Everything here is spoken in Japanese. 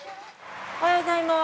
おはようございます。